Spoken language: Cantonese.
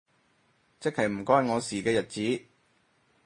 即係唔關我事嘅日子